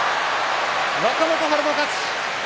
若元春の勝ち。